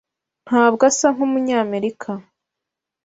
Ntabwo asa nkumunyamerika.